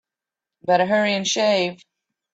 Better hurry and shave.